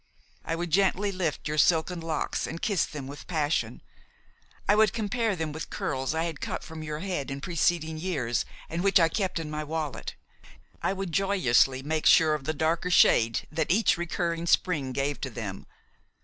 I would gently lift your silken locks and kiss them with passion. I would compare them with curls I had cut from your head in preceding years and which I kept in my wallet. I would joyously make sure of the darker shade that each recurring spring gave to them.